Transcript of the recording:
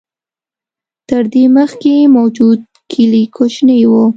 تر دې مخکې موجود کلي کوچني و.